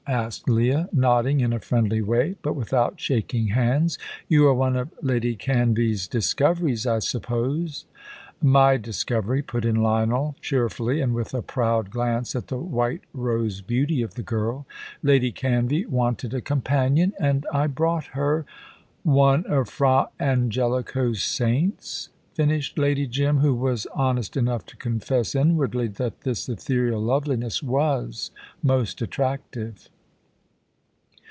asked Leah, nodding in a friendly way, but without shaking hands. "You are one of Lady Canvey's discoveries, I suppose." "My discovery," put in Lionel, cheerfully, and with a proud glance at the white rose beauty of the girl. "Lady Canvey wanted a companion, and I brought her " "One of Fra Angelico's saints," finished Lady Jim, who was honest enough to confess inwardly that this ethereal loveliness was most attractive.